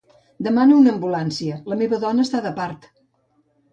Demana una ambulància; la meva dona està de part.